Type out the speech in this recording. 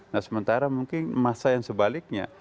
nah sementara mungkin masa yang sebaliknya